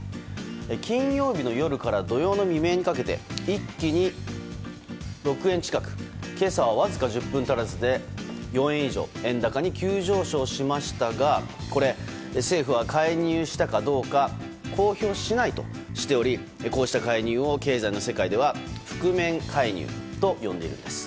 金曜日の夜から土曜の未明にかけて一気に６円近く今朝はわずか１０分足らずで４円以上円高に急上昇しましたが政府は介入したかどうか公表しないとしておりこうした介入を経済の世界では覆面介入と呼んでいるんです。